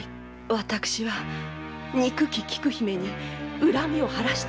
私は憎き菊姫に恨みを晴らしたい一念でございます。